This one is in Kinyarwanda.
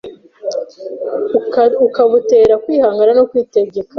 ukabutera kwihangana no kwitegeka.